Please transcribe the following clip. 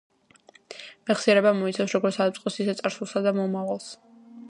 მეხსიერება მოიცავს როგორც აწმყოს, ისე წარსულსა და მომავალს.